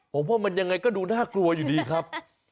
ผมว่ามันยังไงก็ดูน่ากลัวอยู่ดีครับ